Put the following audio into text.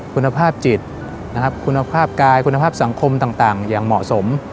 คุณภาพจิตนะครับคุณภาพกายคุณภาพสังคมต่างอย่างเหมาะสม